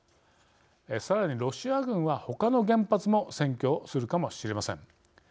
さらにロシア軍は、ほかの原発も占拠するかもしれません。